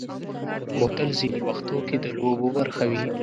بوتل ځینې وختو کې د لوبو برخه وي.